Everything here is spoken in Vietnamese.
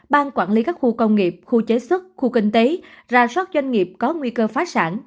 ban quản lý các khu công nghiệp khu chế xuất khu kinh tế ra soát doanh nghiệp có nguy cơ phá sản